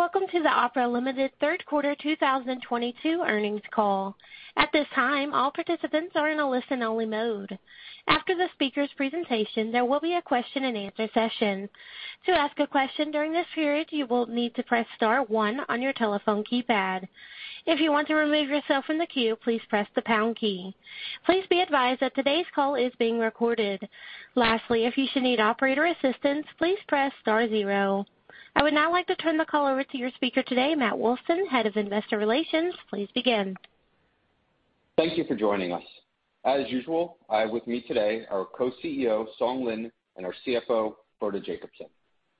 Welcome to the Opera Limited third quarter 2022 earnings call. At this time, all participants are in a listen-only mode. After the speaker's presentation, there will be a question-and-answer session. To ask a question during this period, you will need to press star one on your telephone keypad. If you want to remove yourself from the queue, please press the pound key. Please be advised that today's call is being recorded. Lastly, if you should need operator assistance, please press star zero. I would now like to turn the call over to your speaker today, Matthew Wolfson, Head of Investor Relations. Please begin. Thank you for joining us. As usual, I have with me today our Co-Chief Executive Officer, Song Lin, and our Chief Financial Officer, Frode Jacobsen.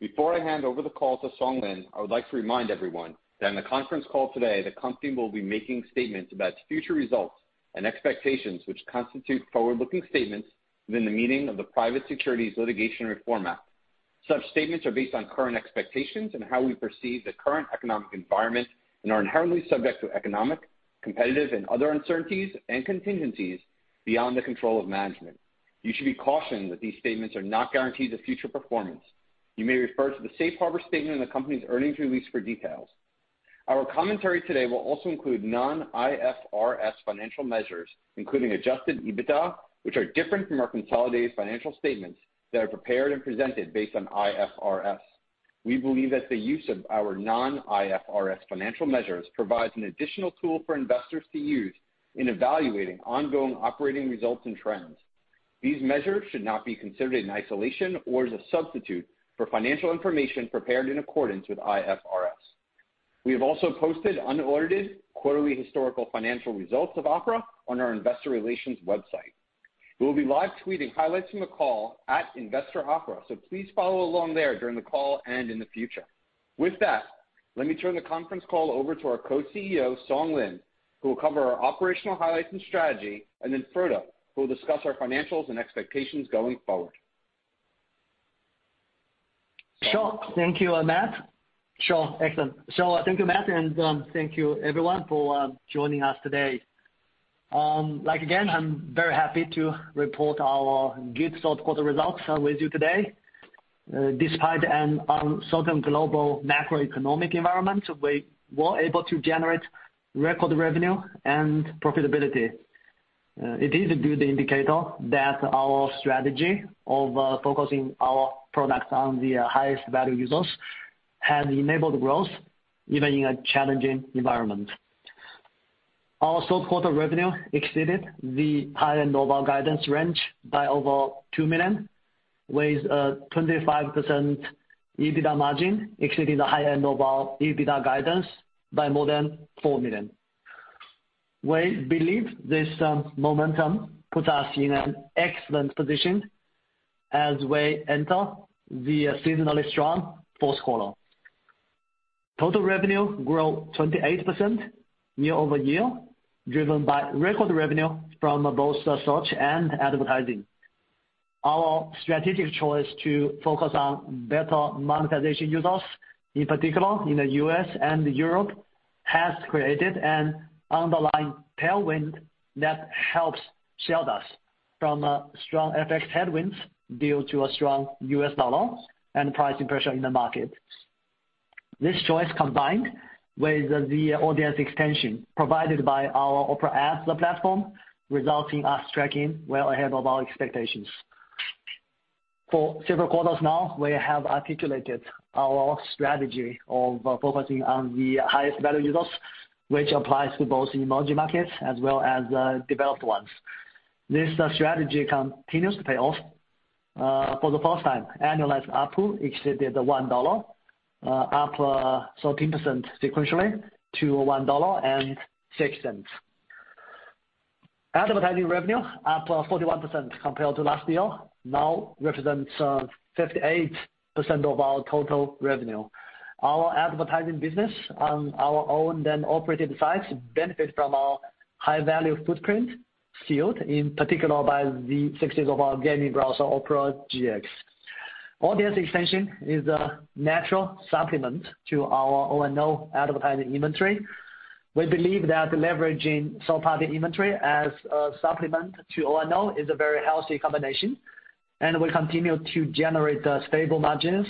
Before I hand over the call to Song Lin, I would like to remind everyone that in the conference call today, the company will be making statements about future results and expectations which constitute forward-looking statements within the meaning of the Private Securities Litigation Reform Act. Such statements are based on current expectations and how we perceive the current economic environment and are inherently subject to economic, competitive, and other uncertainties and contingencies beyond the control of management. You should be cautioned that these statements are not guarantees of future performance. You may refer to the safe harbor statement in the company's earnings release for details. Our commentary today will also include non-IFRS financial measures, including adjusted EBITDA, which are different from our consolidated financial statements that are prepared and presented based on IFRS. We believe that the use of our non-IFRS financial measures provides an additional tool for investors to use in evaluating ongoing operating results and trends. These measures should not be considered in isolation or as a substitute for financial information prepared in accordance with IFRS. We have also posted unaudited quarterly historical financial results of Opera on our investor relations website. We will be live tweeting highlights from the call at investor.opera.com, so please follow along there during the call and in the future. With that, let me turn the conference call over to our Co-Chief Executive Officer, Song Lin, who will cover our operational highlights and strategy, and then Frode, who will discuss our financials and expectations going forward. Thank you, Matt. Excellent. Thank you everyone for joining us today. Like, again, I'm very happy to report our good third quarter results with you today. Despite an uncertain global macroeconomic environment, we were able to generate record revenue and profitability. It is a good indicator that our strategy of focusing our products on the highest value users has enabled growth even in a challenging environment. Our third quarter revenue exceeded the high end of our guidance range by over $2 million, with a 25% EBITDA margin exceeding the high end of our EBITDA guidance by more than $4 million. We believe this momentum puts us in an excellent position as we enter the seasonally strong fourth quarter. Total revenue grew 28% year-over-year, driven by record revenue from both search and advertising. Our strategic choice to focus on better-monetized users, in particular in the U.S. and Europe, has created an underlying tailwind that helps shield us from strong FX headwinds due to a strong U.S. dollar and pricing pressure in the market. This choice combined with the audience extension provided by our Opera app platform, resulting in us tracking well ahead of our expectations. For several quarters now, we have articulated our strategy of focusing on the highest value users, which applies to both emerging markets as well as the developed ones. This strategy continues to pay off. For the first time, annualized ARPU exceeded $1, up 13% sequentially to $1.06. Advertising revenue up 41% compared to last year, now represents 58% of our total revenue. Our advertising business on our owned and operated sites benefits from our high-value footprint scaled in particular by the success of our gaming browser, Opera GX. Audience extension is a natural supplement to our O&O advertising inventory. We believe that leveraging third-party inventory as a supplement to O&O is a very healthy combination, and will continue to generate stable margins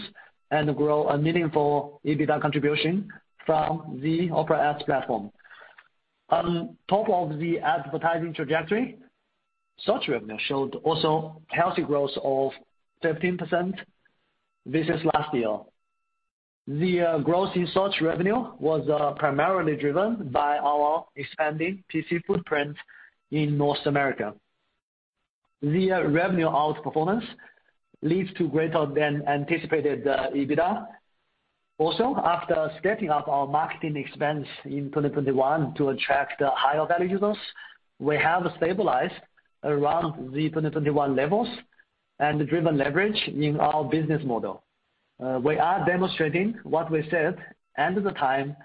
and grow a meaningful EBITDA contribution from the Opera Ads platform. On top of the advertising trajectory, search revenue showed also healthy growth of 15% versus last year. The growth in search revenue was primarily driven by our expanding PC footprint in North America. The revenue outperformance leads to greater than anticipated EBITDA. Also, after stepping up our marketing expense in 2021 to attract higher value users, we have stabilized around the 2021 levels and driven leverage in our business model. We are demonstrating what we said at the time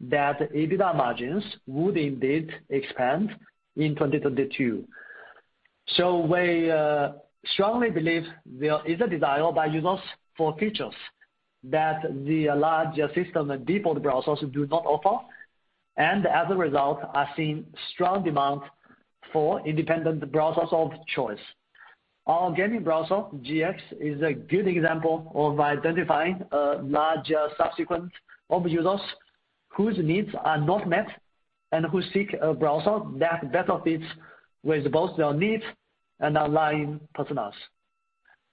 that EBITDA margins would indeed expand in 2022. We strongly believe there is a desire by users for features that the large system and default browsers do not offer. As a result, are seeing strong demand for independent browsers of choice. Our gaming browser, GX, is a good example of identifying larger subset of users whose needs are not met and who seek a browser that better fits with both their needs and online personas.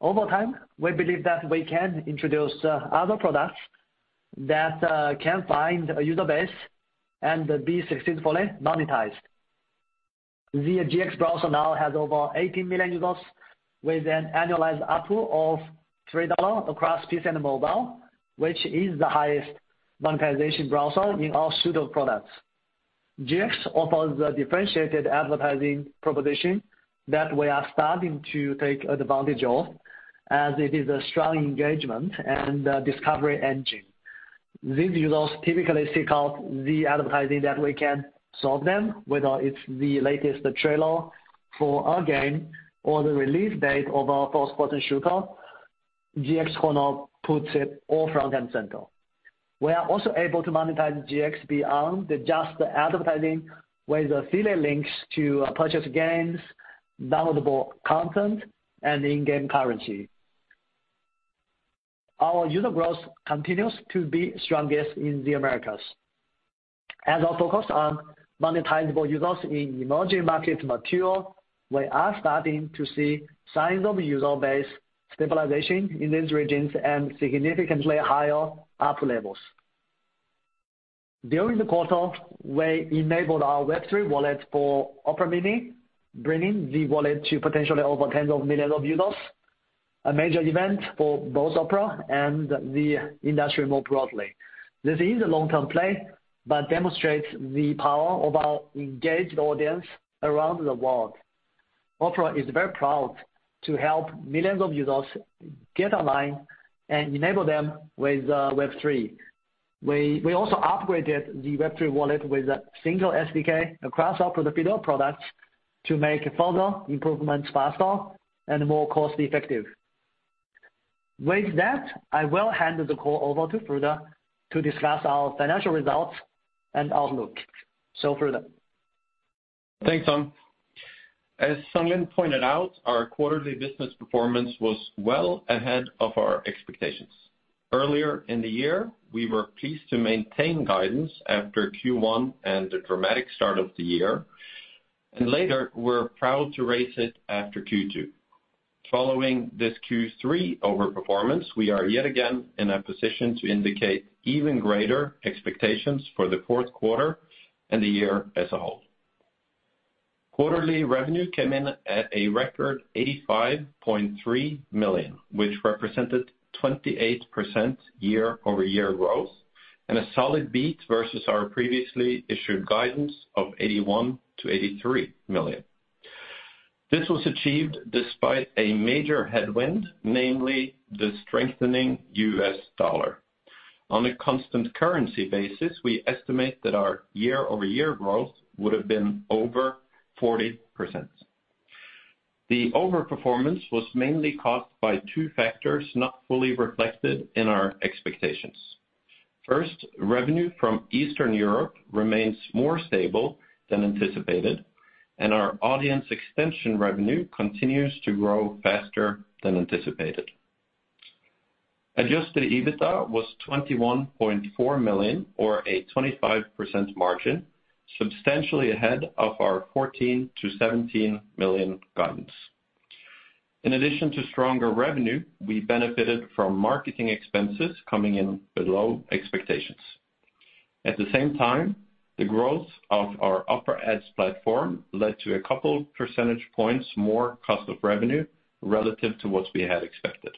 Over time, we believe that we can introduce other products that can find a user base and be successfully monetized. The GX browser now has over 80 million users with an annualized ARPU of $3 across PC and mobile, which is the highest monetization browser in our suite of products. GX offers a differentiated advertising proposition that we are starting to take advantage of as it is a strong engagement and discovery engine. These users typically seek out the advertising that we can show them, whether it's the latest trailer for our game or the release date of our first-person shooter, GX funnel puts it all front and center. We are also able to monetize GX beyond just advertising with affiliate links to purchase games, downloadable content, and in-game currency. Our user growth continues to be strongest in the Americas. As our focus on monetizable users in emerging markets mature, we are starting to see signs of user base stabilization in these regions and significantly higher ARPU levels. During the quarter, we enabled our Web3 wallet for Opera Mini, bringing the wallet to potentially over tens of millions of users, a major event for both Opera and the industry more broadly. This is a long-term play, but demonstrates the power of our engaged audience around the world. Opera is very proud to help millions of users get online and enable them with Web3. We also upgraded the Web3 wallet with a single SDK across Opera digital products to make further improvements faster and more cost-effective. With that, I will hand the call over to Frode to discuss our financial results and outlook. Frode. Thanks, Song. As Song Lin pointed out, our quarterly business performance was well ahead of our expectations. Earlier in the year, we were pleased to maintain guidance after Q1 and the dramatic start of the year. Later, we're proud to raise it after Q2. Following this Q3 overperformance, we are yet again in a position to indicate even greater expectations for the fourth quarter and the year as a whole. Quarterly revenue came in at a record $85.3 million, which represented 28% year-over-year growth and a solid beat versus our previously issued guidance of $81 million-$83 million. This was achieved despite a major headwind, namely the strengthening US dollar. On a constant currency basis, we estimate that our year-over-year growth would have been over 40%. The overperformance was mainly caused by two factors not fully reflected in our expectations. First, revenue from Eastern Europe remains more stable than anticipated, and our audience extension revenue continues to grow faster than anticipated. Adjusted EBITDA was $21.4 million or a 25% margin, substantially ahead of our $14 million-$17 million guidance. In addition to stronger revenue, we benefited from marketing expenses coming in below expectations. At the same time, the growth of our Opera Ads platform led to a couple percentage points more cost of revenue relative to what we had expected.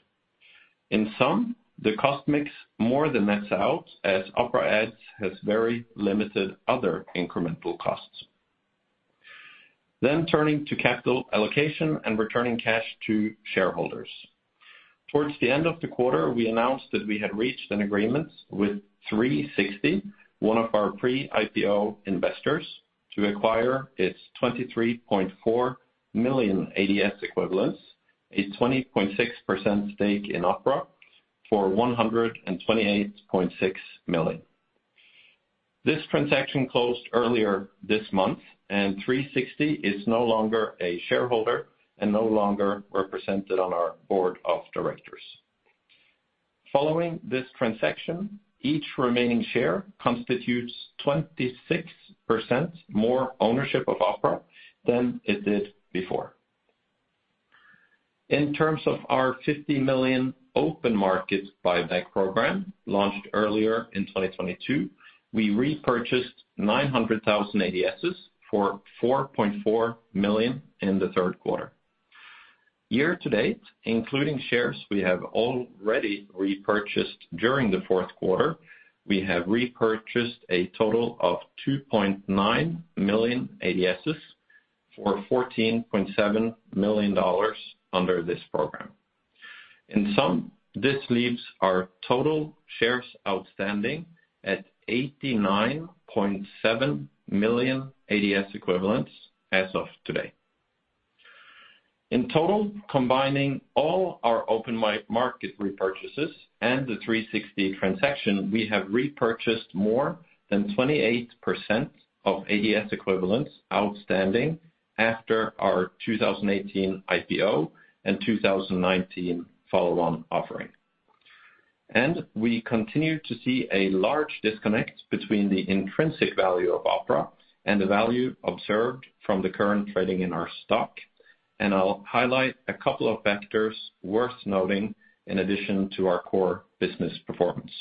In sum, the cost mix more than nets out as Opera Ads has very limited other incremental costs. Turning to capital allocation and returning cash to shareholders. Towards the end of the quarter, we announced that we had reached an agreement with 360 Security Technology, one of our pre-IPO investors, to acquire its 23.4 million ADS equivalents, a 20.6% stake in Opera for $128.6 million. This transaction closed earlier this month, and 360 Security Technology is no longer a shareholder and no longer represented on our board of directors. Following this transaction, each remaining share constitutes 26% more ownership of Opera than it did before. In terms of our $50 million open market buyback program launched earlier in 2022, we repurchased 900,000 ADSs for $4.4 million in the third quarter. Year to date, including shares we have already repurchased during the fourth quarter, we have repurchased a total of 2.9 million ADSs for $14.7 million under this program. In sum, this leaves our total shares outstanding at 89.7 million ADS equivalents as of today. In total, combining all our open market repurchases and the 360 transaction, we have repurchased more than 28% of ADS equivalents outstanding after our 2018 IPO and 2019 follow-on offering. We continue to see a large disconnect between the intrinsic value of Opera and the value observed from the current trading in our stock. I'll highlight a couple of factors worth noting in addition to our core business performance.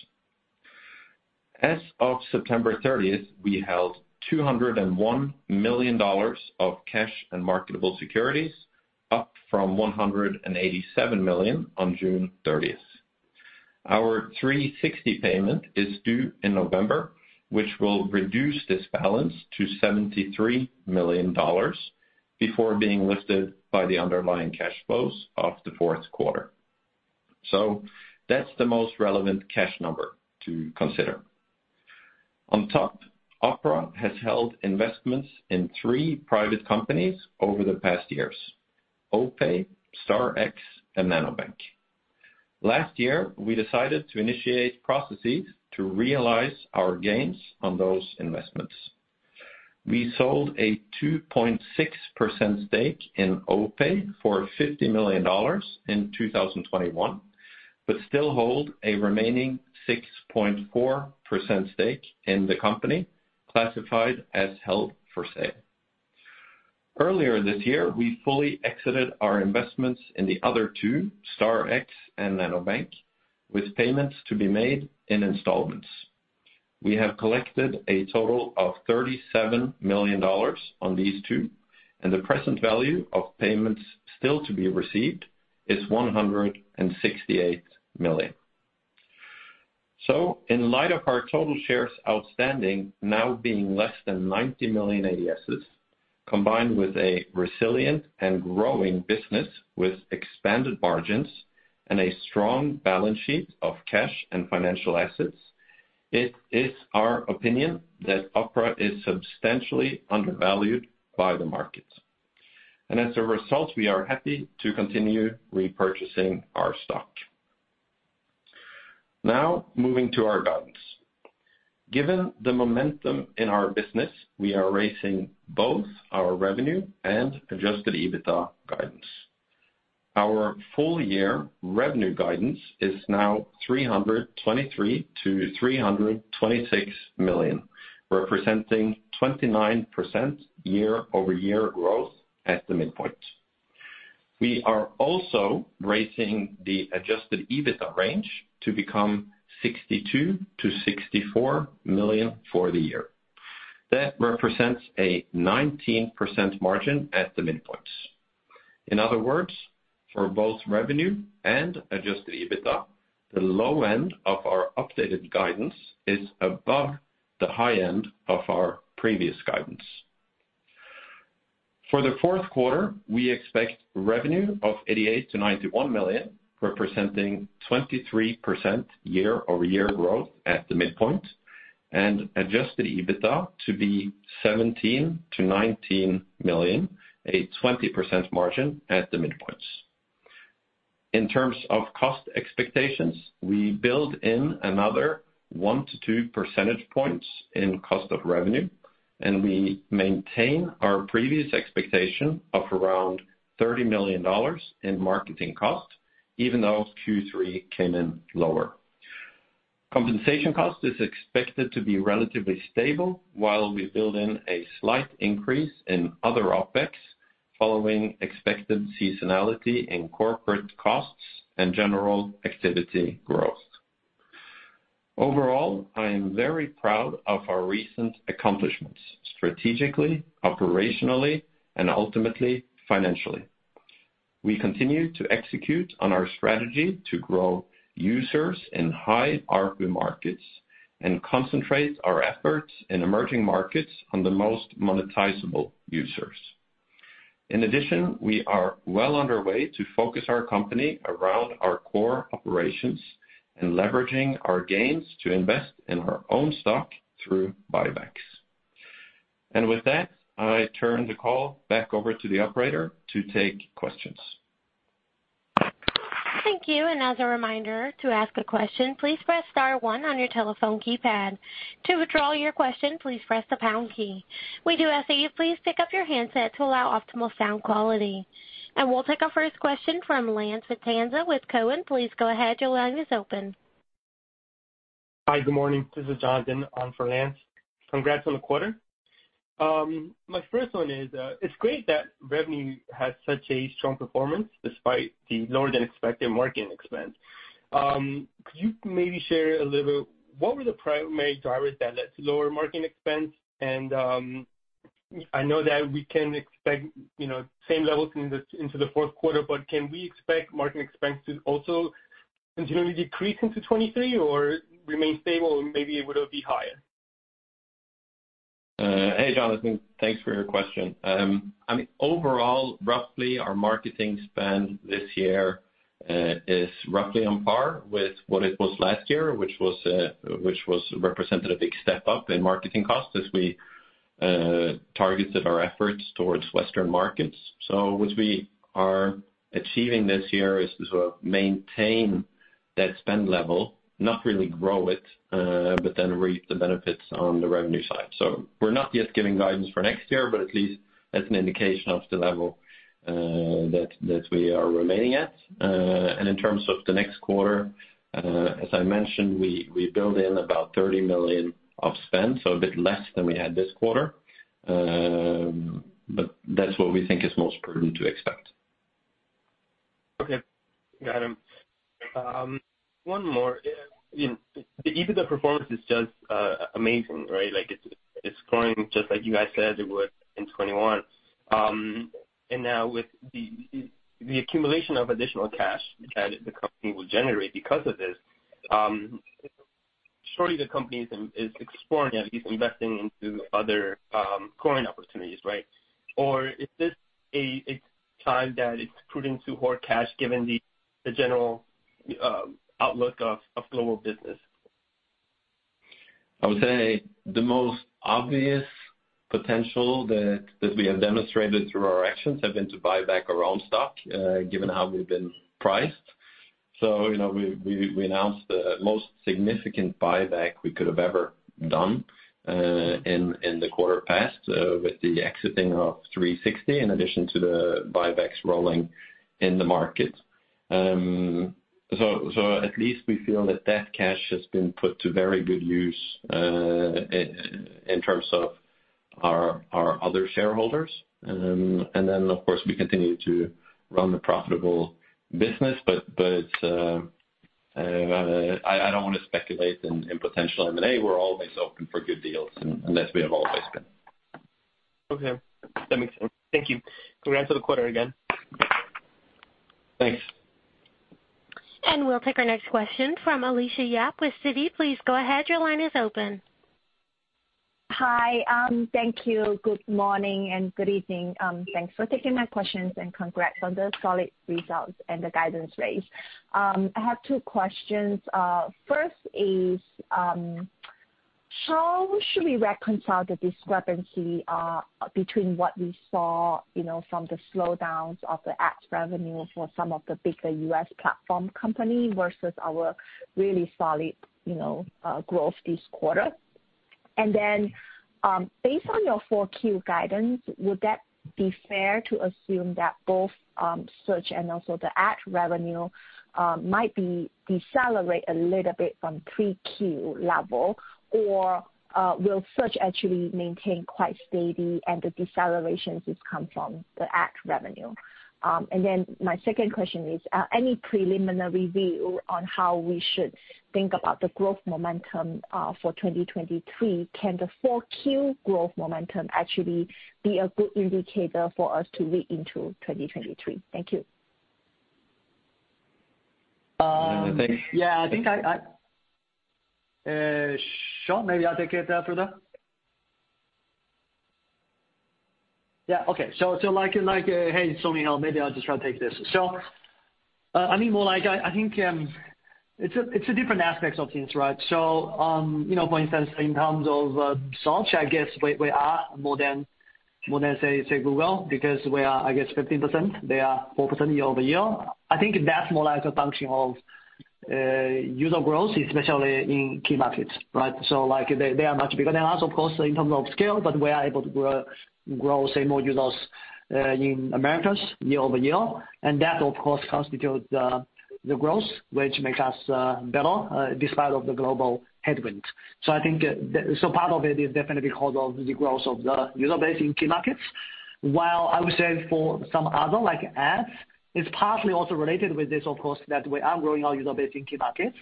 As of September 30th, we held $201 million of cash and marketable securities, up from $187 million on June 30th. Our 360 Security Technology payment is due in November, which will reduce this balance to $73 million before being lifted by the underlying cash flows of the fourth quarter. That's the most relevant cash number to consider. On top, Opera has held investments in three private companies over the past years, OPay, StarMaker, and Nanobank. Last year, we decided to initiate processes to realize our gains on those investments. We sold a 2.6% stake in OPay for $50 million in 2021, but still hold a remaining 6.4% stake in the company, classified as held for sale. Earlier this year, we fully exited our investments in the other two, StarMaker and Nanobank, with payments to be made in installments. We have collected a total of $37 million on these two, and the present value of payments still to be received is $168 million. In light of our total shares outstanding now being less than 90 million ADSs, combined with a resilient and growing business with expanded margins and a strong balance sheet of cash and financial assets, it is our opinion that Opera is substantially undervalued by the market. As a result, we are happy to continue repurchasing our stock. Now moving to our guidance. Given the momentum in our business, we are raising both our revenue and adjusted EBITDA guidance. Our full year revenue guidance is now $323million-$326 million, representing 29% year-over-year growth at the midpoint. We are also raising the adjusted EBITDA range to $62 million-$64 million for the year. That represents a 19% margin at the midpoint. In other words, for both revenue and adjusted EBITDA, the low end of our updated guidance is above the high end of our previous guidance. For the fourth quarter, we expect revenue of $88 million-$91 million, representing 23% year-over-year growth at the midpoint, and adjusted EBITDA to be $17 million-$19 million, a 20% margin at the midpoint. In terms of cost expectations, we build in another 1 percentage point-2 percentage points in cost of revenue, and we maintain our previous expectation of around $30 million in marketing costs, even though Q3 came in lower. Compensation cost is expected to be relatively stable while we build in a slight increase in other OpEx following expected seasonality in corporate costs and general activity growth. Overall, I am very proud of our recent accomplishments strategically, operationally, and ultimately financially. We continue to execute on our strategy to grow users in high ARPU markets and concentrate our efforts in emerging markets on the most monetizable users. In addition, we are well underway to focus our company around our core operations and leveraging our gains to invest in our own stock through buybacks. With that, I turn the call back over to the operator to take questions. Thank you. As a reminder, to ask a question, please press star one on your telephone keypad. To withdraw your question, please press the pound key. We do ask that you please pick up your handset to allow optimal sound quality. We'll take our first question from Lance Vitanza with TD Cowen. Please go ahead, your line is open. Hi, good morning. This is Jonathan on for Lance. Congrats on the quarter. My first one is, it's great that revenue has such a strong performance despite the lower than expected marketing expense. Could you maybe share a little bit, what were the main drivers that led to lower marketing expense? I know that we can expect, you know, same levels into the fourth quarter, but can we expect marketing expense to also continually decrease into 2023 or remain stable? Maybe it would be higher. Hey, Jonathan. Thanks for your question. I mean, overall, roughly our marketing spend this year is roughly on par with what it was last year, which was represented a big step up in marketing costs as we targeted our efforts towards Western markets. What we are achieving this year is to maintain that spend level, not really grow it, but then reap the benefits on the revenue side. We're not yet giving guidance for next year, but at least that's an indication of the level that we are remaining at. In terms of the next quarter, as I mentioned, we build in about $30 million of spend, so a bit less than we had this quarter. That's what we think is most prudent to expect. Okay. Got it. One more. The EBITDA performance is just amazing, right? Like, it's growing just like you guys said it would in 2021. Now with the accumulation of additional cash that the company will generate because of this, surely the company is exploring at least investing into other growing opportunities, right? Or is this a time that it's prudent to hoard cash given the general outlook of global business? I would say the most obvious potential that we have demonstrated through our actions have been to buy back our own stock, given how we've been priced. You know, we announced the most significant buyback we could have ever done, in the past quarter, with the exiting of 360 Security Technology in addition to the buybacks rolling in the market. So at least we feel that cash has been put to very good use, in terms of our other shareholders. Of course, we continue to run the profitable business. I don't wanna speculate in potential M&A. We're always open for good deals unless we have always been. Okay. That makes sense. Thank you. Congrats on the quarter again. Thanks. We'll take our next question from Alicia Yap with Citi. Please go ahead. Your line is open. Hi. Thank you. Good morning and good evening. Thanks for taking my questions, and congrats on the solid results and the guidance raise. I have two questions. First is, how should we reconcile the discrepancy, between what we saw, you know, from the slowdowns of the ads revenue for some of the bigger U.S. platform company versus our really solid, you know, growth this quarter? Then, based on your Q4 guidance, would that be fair to assume that both, search and also the ad revenue, might be decelerate a little bit from 3Q level? Or, will search actually maintain quite steady and the deceleration just come from the ad revenue? Then my second question is, any preliminary view on how we should think about the growth momentum, for 2023? Can the 4Q growth momentum actually be a good indicator for us to read into 2023? Thank you. You wanna take- Yeah, I think. Song Lin, maybe I'll take it after that. Yeah, okay. I mean, I think, it's a different aspects of things, right? You know, for instance, in terms of search, I guess we are more than, say, Google, because we are, I guess, 15%, they are 4% year-over-year. I think that's more like a function of user growth, especially in key markets, right? Like, they are much bigger than us of course, in terms of scale, but we are able to grow, say, more users in Americas year-over-year. That of course constitute the growth, which makes us better despite of the global headwinds. I think part of it is definitely because of the growth of the user base in key markets. While I would say for some other like ads, it's partly also related with this of course that we are growing our user base in key markets.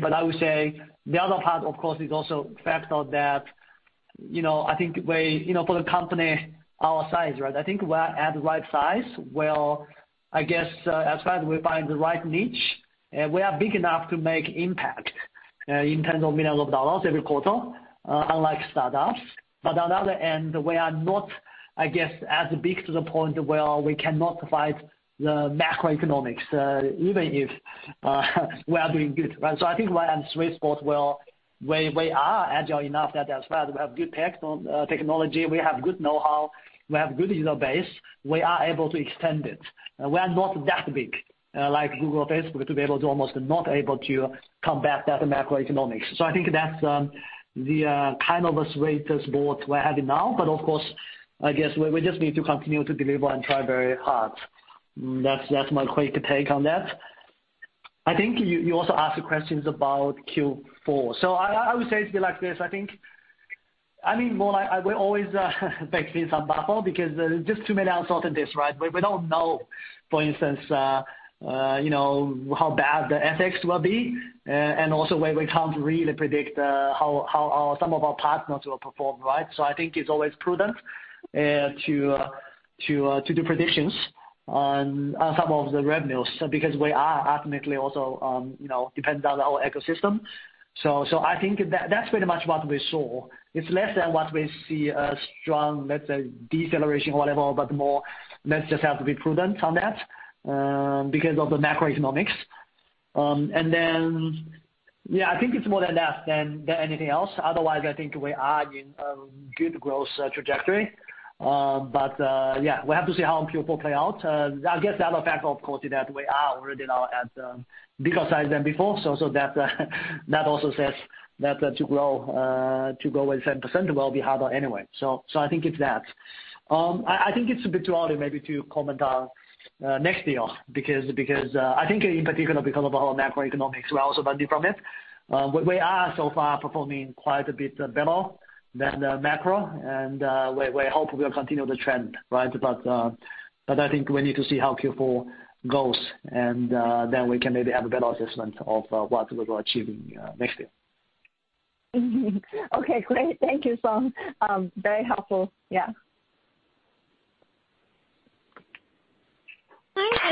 But I would say the other part of course is also factor that, you know, I think you know, for the company our size, right? I think we're at the right size where I guess, as far as we find the right niche, we are big enough to make impact in terms of $ millions every quarter, unlike startups. On the other end, we are not, I guess, as big to the point where we cannot fight the macroeconomics, even if we are doing good, right? I think we're in sweet spot where we are agile enough that as far as we have good technology, we have good know-how, we have good user base, we are able to extend it. We are not that big, like Google or Facebook to be able to almost not able to combat that macroeconomics. I think that's the kind of a sweet spot we're having now. Of course, I guess we just need to continue to deliver and try very hard. That's my quick take on that. I think you also asked questions about Q4. I would say it'd be like this, I think. I mean, more like we always take this on buffer because there's just too many uncertainties, right? We don't know, for instance, you know, how bad the FX will be. Also we can't really predict how some of our partners will perform, right? I think it's always prudent to do predictions on some of the revenues because ultimately it also, you know, depends on our ecosystem. I think that's pretty much what we saw. It's less than what we see as a strong, let's say, deceleration or whatever, but more let's just have to be prudent on that because of the macroeconomics. Yeah, I think it's more than that than anything else. Otherwise, I think we are in a good growth trajectory. We have to see how Q4 plays out. I guess the other factor, of course, is that we are already now at bigger size than before, so that also says that to grow at 7% will be harder anyway. I think it's that. I think it's a bit too early maybe to comment on next year because I think in particular, because of the whole macroeconomics, we're also benefiting from it. We are so far performing quite a bit better than the macro and we hope we'll continue the trend, right? I think we need to see how Q4 goes and then we can maybe have a better assessment of what we will achieve next year. Okay, great. Thank you, Song. Very helpful. Yeah.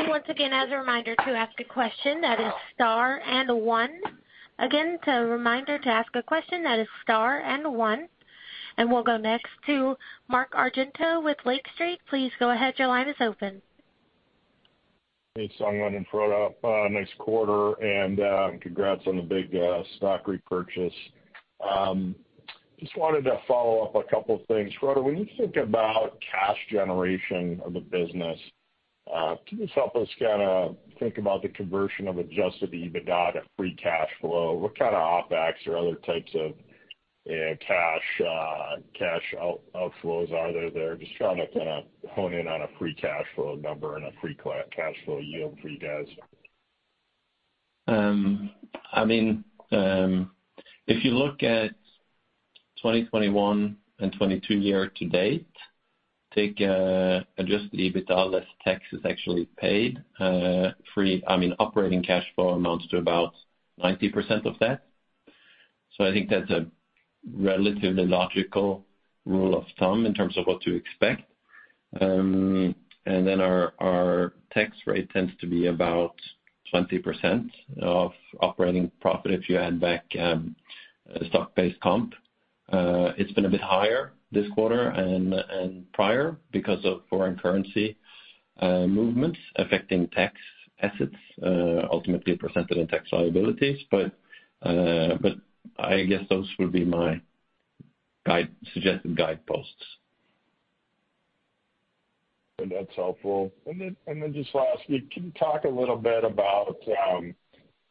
Once again, as a reminder, to ask a question that is star and one. We'll go next to Mark Argento with Lake Street. Please go ahead, your line is open. Hey, Song Lin and Frode. Nice quarter and congrats on the big stock repurchase. Just wanted to follow up a couple things. Frode, when you think about cash generation of the business, can you just help us kinda think about the conversion of adjusted EBITDA to free cash flow? What kind of OpEx or other types of cash outflows are there? Just trying to kinda hone in on a free cash flow number and a free cash flow yield for you guys. I mean, if you look at 2021 and 2022 year to date, take adjusted EBITDA less tax actually paid, operating cash flow amounts to about 90% of that. I think that's a relatively logical rule of thumb in terms of what to expect. Our tax rate tends to be about 20% of operating profit if you add back stock-based compensation. It's been a bit higher this quarter and prior because of foreign currency movements affecting tax assets ultimately presented in tax liabilities. I guess those would be my suggested guideposts. That's helpful. Just lastly, can you talk a little bit about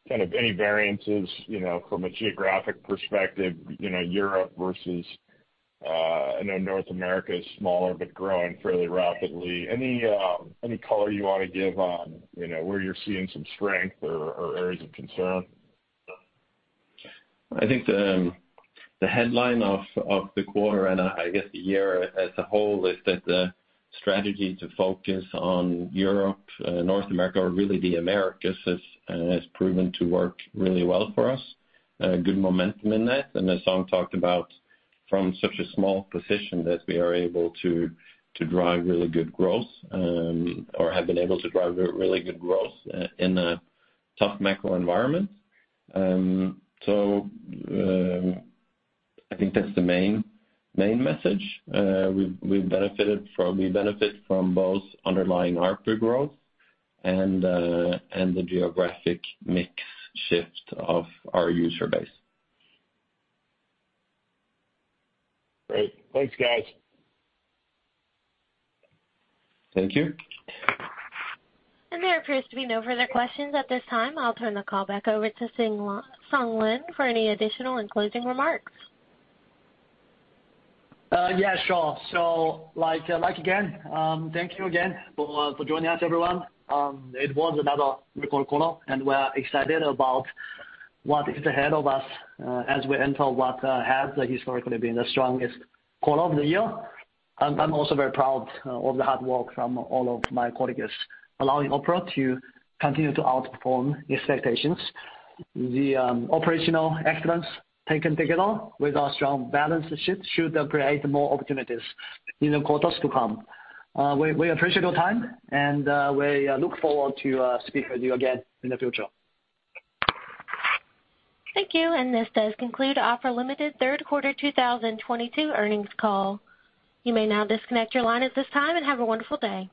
kind of any variances, you know, from a geographic perspective, you know, Europe versus I know North America is smaller but growing fairly rapidly. Any color you wanna give on, you know, where you're seeing some strength or areas of concern? I think the headline of the quarter and I guess the year as a whole is that the strategy to focus on Europe, North America or really the Americas has proven to work really well for us. Good momentum in that. As Song talked about from such a small position that we are able to drive really good growth or have been able to drive really good growth in a tough macro environment. I think that's the main message. We benefit from both underlying ARPU growth and the geographic mix shift of our user base. Great. Thanks, guys. Thank you. There appears to be no further questions at this time. I'll turn the call back over to Song Lin for any additional and closing remarks. Yeah, sure. Like again, thank you again for joining us, everyone. It was another record quarter, and we're excited about what is ahead of us, as we enter what has historically been the strongest quarter of the year. I'm also very proud of the hard work from all of my colleagues, allowing Opera to continue to outperform expectations. The operational excellence taken together with our strong balance sheet should create more opportunities in the quarters to come. We appreciate your time, and we look forward to speak with you again in the future. Thank you, and this does conclude Opera Limited third quarter 2022 earnings call. You may now disconnect your line at this time, and have a wonderful day.